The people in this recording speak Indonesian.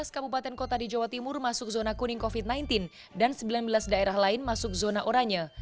tujuh belas kabupaten kota di jawa timur masuk zona kuning covid sembilan belas dan sembilan belas daerah lain masuk zona oranye